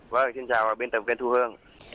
vâng xin chào bên tầm kênh thu hương